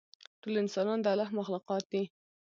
ټول انسانان د الله مخلوقات دي.